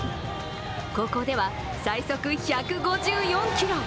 高校では、最速１５４キロ。